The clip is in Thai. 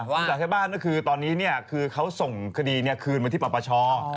ภาษาชาวบ้านตอนนี้เขาส่งคดีคืนมาที่ปราบประชอ